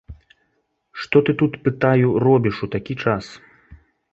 Што ты тут, пытаю, робіш у такі час?